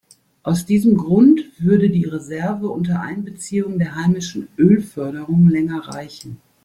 Aus diesem Grund würde die Reserve unter Einbeziehung der heimischen Ölförderung länger reichen.